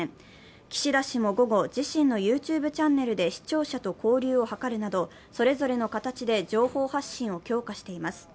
岸田氏も午後、自身のＹｏｕＴｕｂｅチャンネルで視聴者と交流を図るなどそれぞれの形で情報発信を強化しています。